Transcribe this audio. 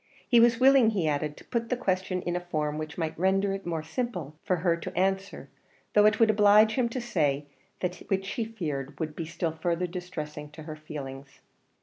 He was willing, he added, to put the question in a form which might render it more simple for her to answer, though it would oblige him to say that which he feared would be still further distressing to her feelings.